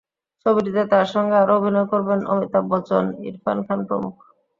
ছবিটিতে তাঁর সঙ্গে আরও অভিনয় করবেন অমিতাভ বচ্চন, ইরফান খান প্রমুখ।